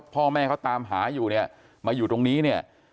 พ่อแม่เขาตามหาอยู่เนี่ยมาอยู่ตรงนี้เนี่ย